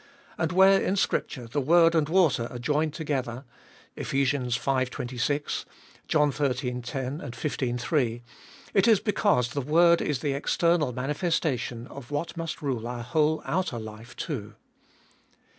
And where in Scripture the word and water are joined together (Eph. v. 26 ; John xiii. 10 ; xv. 3), it is because the word is the external manifestation of what must rule our whole outer life too.